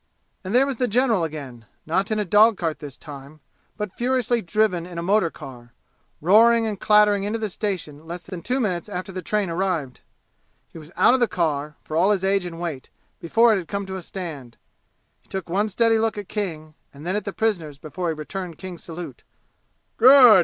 And there was the general again, not in a dog cart this time, but furiously driven in a motor car, roaring and clattering into the station less than two minutes after the train arrived. He was out of the car, for all his age and weight, before it had come to a stand. He took one steady look at King and then at the prisoners before he returned King's salute. "Good!"